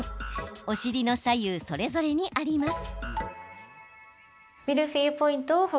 お尻の左右それぞれにあります。